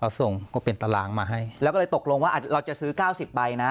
ส่งก็เป็นตารางมาให้แล้วก็เลยตกลงว่าเราจะซื้อเก้าสิบใบนะ